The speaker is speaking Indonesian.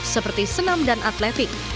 seperti senam dan atletik